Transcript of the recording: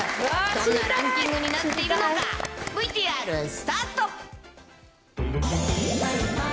どんなランキングになっているのか、ＶＴＲスタート。